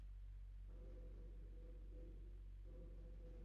আন্তর্জাতিক Olympic committee শুধু পদক দেয়, নগদ কোনো অর্থ দেয় না।